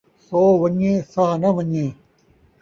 سو ون٘ڄے ، ساہ ناں ون٘ڄے